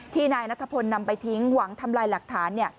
นายนัทพลนำไปทิ้งหวังทำลายหลักฐาน